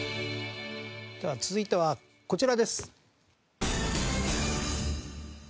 では続いてはこちらです。